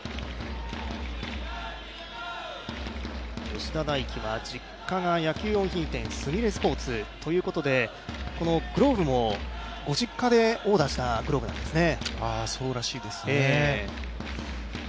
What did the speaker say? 吉田大喜は実家が野球用品店、すみれスポーツということで、グローブもご実家でオーダーしたグローブなんですね。